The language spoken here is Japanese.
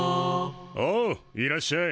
おういらっしゃい。